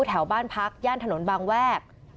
แถวบ้านพักย่านถนนบางแวก